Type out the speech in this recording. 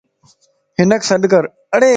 ھنک سڏڪر